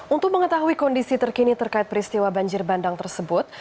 untuk mengetahui kondisi terkini terkait peristiwa banjir bandang tersebut